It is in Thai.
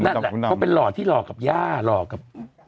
นั่นแหละก็เป็นหล่อที่หล่อกับย่าหลอกกับ